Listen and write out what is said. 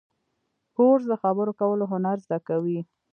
کورس د خبرو کولو هنر زده کوي.